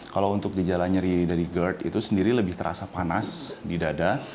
kalau untuk gejala nyeri dari gerd itu sendiri lebih terasa panas di dada